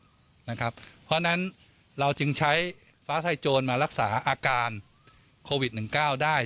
เพราะฉะนั้นเราจึงใช้ฟ้าไทยโจรมารักษาอาการโควิด๑๙ได้